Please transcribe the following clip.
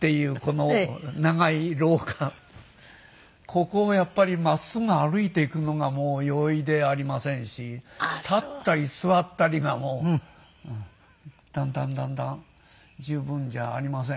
ここをやっぱり真っすぐ歩いていくのが容易でありませんし立ったり座ったりがもうだんだんだんだん十分じゃありません。